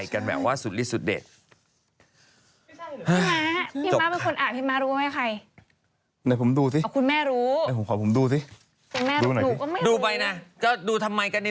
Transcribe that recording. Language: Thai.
คิดไม่ออกไม่รู้ใครน่ะ